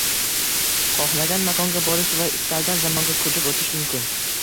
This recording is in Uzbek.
— Xohlagan makonga borish va istalgan zamonga ko‘chib o‘tish mumkin